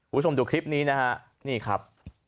ผู้ชมดูคลิปนี้นะครับนี่ครับ